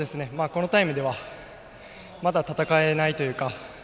このタイムではまだ戦えないというか。